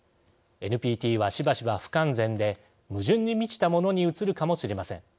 ＮＰＴは、しばしば不完全で矛盾に満ちたものに映るかもしれません。